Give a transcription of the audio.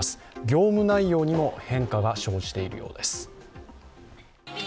業務内容にも変化が生じているようです。